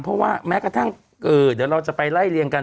เพราะว่าแม้กระทั่งเดี๋ยวเราจะไปไล่เรียงกัน